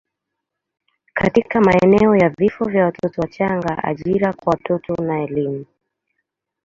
katika maeneo ya vifo vya watoto wachanga, ajira kwa watoto na elimu.